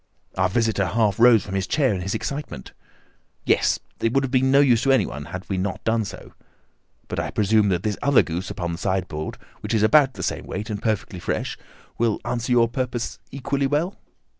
Our visitor half rose from his chair in his excitement. "Yes, it would have been of no use to anyone had we not done so. But I presume that this other goose upon the sideboard, which is about the same weight and perfectly fresh, will answer your purpose equally well?"